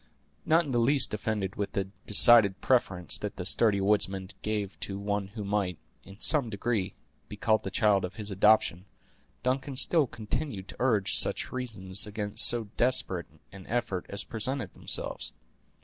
Not in the least offended with the decided preference that the sturdy woodsman gave to one who might, in some degree, be called the child of his adoption, Duncan still continued to urge such reasons against so desperate an effort as presented themselves.